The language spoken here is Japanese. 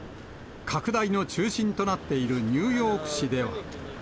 拡大の中心となっているニューヨーク市では。